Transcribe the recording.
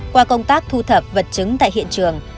qua công tác thu thập vật chứng tại hiện trường